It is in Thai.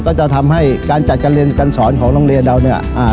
ก็จะทำให้การจัดการเรียนการสอนของโรงเรียนเราเนี่ยอ่า